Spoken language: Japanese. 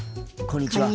こんにちは。